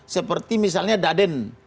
seperti misalnya daden